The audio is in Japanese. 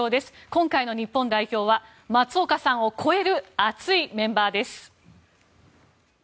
今回の日本代表は松岡さんを超える熱いメンバーです。